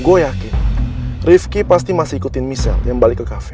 gue yakin rifki pasti masih ikutin michelle yang balik ke cafe